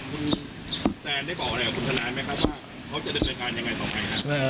คุณแซนได้บอกอะไรกับคุณธนายไหมครับ